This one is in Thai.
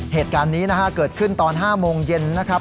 เหตุการณ์นี้นะฮะเกิดขึ้นตอน๕โมงเย็นนะครับ